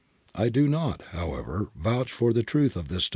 I do not, how ever, vouch for the truth of this story.'